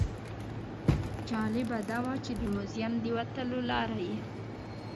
جالبه دا وه چې د موزیم د وتلو لاره یې.